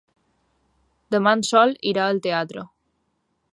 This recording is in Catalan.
Demà en Sol irà al teatre.